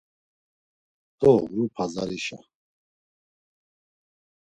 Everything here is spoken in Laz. Doğru Pazarişa.